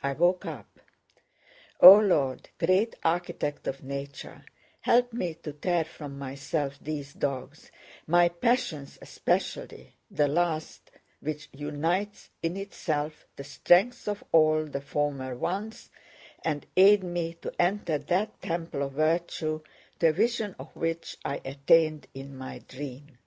I woke up. O Lord, great Architect of Nature, help me to tear from myself these dogs—my passions especially the last, which unites in itself the strength of all the former ones, and aid me to enter that temple of virtue to a vision of which I attained in my dream.